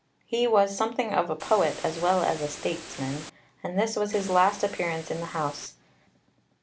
He was something of a poet, as well as a statesman, and this was his last appearance in the House.